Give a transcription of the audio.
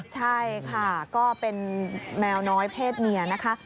ใช่ค่ะก็เป็นแมวน้อยเพศเมียนะคะ